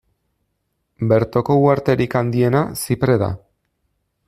Bertoko uharterik handiena Zipre da.